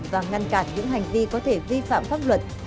và ngăn cản những hành vi có thể vi phạm pháp luật